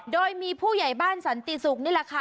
โดยมีผู้ใหญ่บ้านสันติศุกร์นี่แหละค่ะ